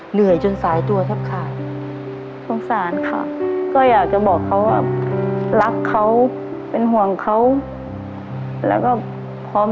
เหนื่อยจนสายตัวเท่าไข